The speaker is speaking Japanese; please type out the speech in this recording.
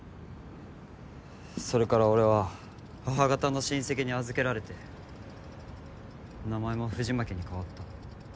それから俺は母方の親戚に預けられて名前も藤巻に変わった。